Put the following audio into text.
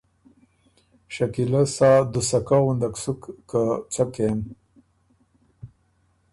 شکیلۀ سا دُوسَکۀ غُندک سُک که څۀ کېم